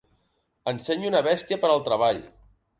Ensenyi una bèstia per al treball.